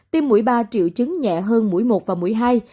tiêm mũi ba triệu chứng nhẹ hơn mũi một và mũi hai